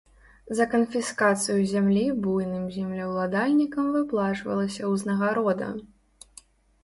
За канфіскацыю зямлі буйным землеўладальнікам выплачвалася ўзнагарода.